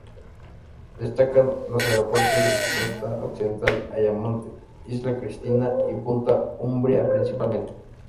Destacan los puertos de la costa occidental: Ayamonte, Isla Cristina y Punta Umbría principalmente.